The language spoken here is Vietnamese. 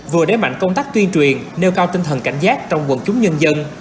vừa đế mạnh công tác tuyên truyền nêu cao tinh thần cảnh giác trong quần chúng nhân dân